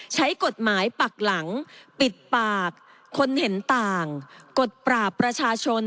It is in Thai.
ใช้กฎหมายปักหลังปิดปากคนเห็นต่างกดปราบประชาชน